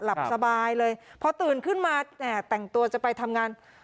หลับสบายเลยพอตื่นขึ้นมาแต่งตัวจะไปทำงาน